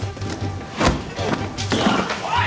おい！